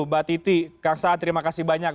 mbak titi kang saan terima kasih banyak